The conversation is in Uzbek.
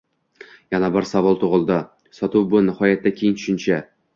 Yana bir savol tugʻildi: sotuv – bu nihoyatda keng tushuncha.